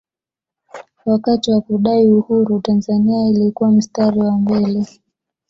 wakati wa kudai uhuru tanzania ilikuwa mstari wa mbele